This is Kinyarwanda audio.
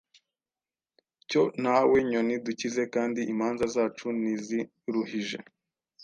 Cyo nawe nyoni dukize kandi imanza zacu ntiziruhije,